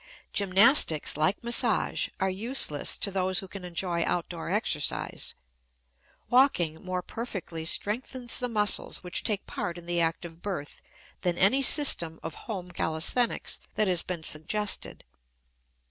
Gymnastics, like massage, are useless to those who can enjoy outdoor exercise. Walking more perfectly strengthens the muscles which take part in the act of birth than any system of "home calisthenics" that has been suggested.